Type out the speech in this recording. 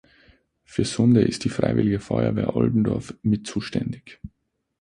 Für Sunde ist die Freiwillige Feuerwehr Oldendorf mit zuständig.